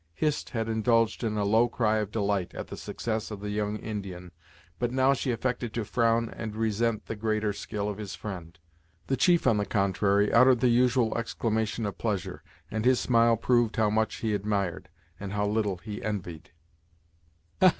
Hist had indulged in a low cry of delight at the success of the young Indian, but now she affected to frown and resent the greater skill of his friend. The chief, on the contrary, uttered the usual exclamation of pleasure, and his smile proved how much he admired, and how little he envied.